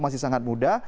tapi sangat muda